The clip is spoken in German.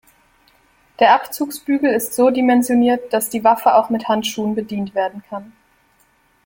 Der Abzugsbügel ist so dimensioniert, dass die Waffe auch mit Handschuhen bedient werden kann.